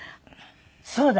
そうだ！